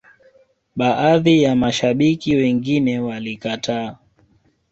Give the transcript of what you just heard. baadhi ya mashabiki wengine walikataa